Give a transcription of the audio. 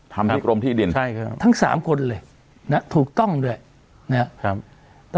ทำที่กรมที่ดินใช่ครับทั้งสามคนเลยนะถูกต้องด้วยนะครับ